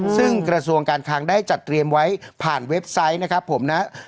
ซึ่งกระทรวงการคลังได้จัดเตรียมไว้ผ่านเว็บไซต์นะครับผมนะ